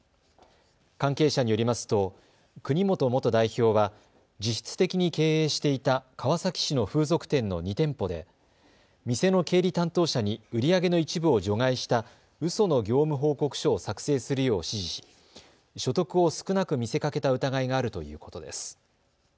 関係者によりますと国本元代表は実質的に経営していた川崎市の風俗店の２店舗で店の経理担当者に売り上げの一部を除外したうその業務報告書を作成するよう指示し所得を少なく見せかけた疑いがあるということです。